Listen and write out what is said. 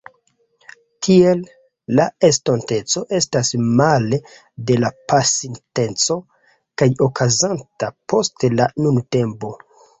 Tiel, la estonteco estas male de la pasinteco, kaj okazonta post la nuntempo.